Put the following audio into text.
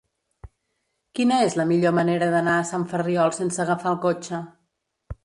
Quina és la millor manera d'anar a Sant Ferriol sense agafar el cotxe?